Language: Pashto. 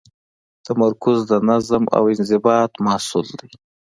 تمرکز د نظم او انضباط محصول دی.